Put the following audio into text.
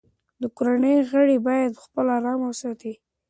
د کورنۍ غړي باید خپله ارامي وساتي.